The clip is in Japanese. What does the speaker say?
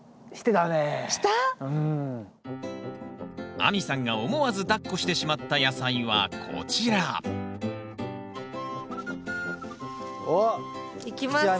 亜美さんが思わずだっこしてしまった野菜はこちらおっ菊地亜美